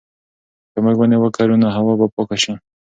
که موږ ونې وکرو نو هوا به پاکه شي.